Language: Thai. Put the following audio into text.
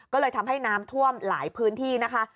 ก็เลยทำให้น้ำท่วมหลายพื้นที่นะคะ